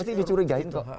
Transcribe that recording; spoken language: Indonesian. pasti dicurigain kok